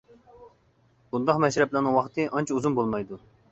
بۇنداق مەشرەپلەرنىڭ ۋاقتى ئانچە ئۇزۇن بولمايدۇ.